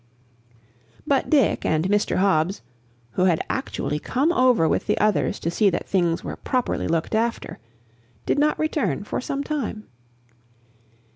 But Dick and Mr. Hobbs who had actually come over with the others to see that things were properly looked after did not return for some time.